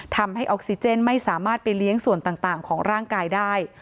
ทำให้ออกซิเจนไม่สามารถไปเลี้ยงส่วนต่างของร่างกายได้